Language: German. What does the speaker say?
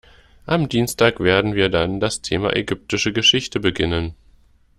Am Dienstag werden wir dann das Thema ägyptische Geschichte beginnen.